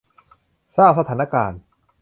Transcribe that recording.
สร้างสถานการณ์